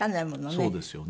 そうですよね。